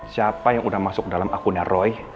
siapa yang sudah masuk dalam akunnya roy